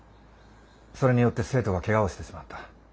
それによって生徒がケガをしてしまった。